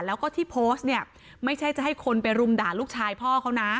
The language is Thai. แล้วก็ที่โพสต์เนี่ยไม่ใช่จะให้คนไปรุมด่าลูกชายพ่อเขานะ